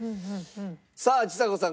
さあちさ子さん